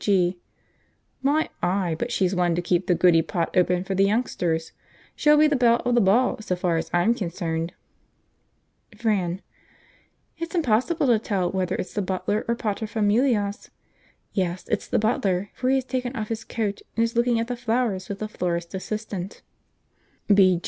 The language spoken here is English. B.G. "My eye! but she's one to keep the goody pot open for the youngsters! She'll be the belle of the ball so far as I'm concerned." Fran. "It's impossible to tell whether it's the butler or paterfamilias. Yes, it's the butler, for he has taken off his coat and is looking at the flowers with the florist's assistant."